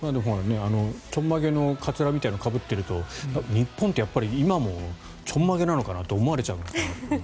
ちょんまげのかつらみたいなのをかぶっていると日本ってやっぱり今もちょんまげなのかなと思われちゃうのかなと。